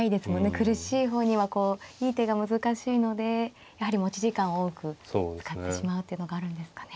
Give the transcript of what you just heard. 苦しい方にはいい手が難しいのでやはり持ち時間を多く使ってしまうというのがあるんですかね。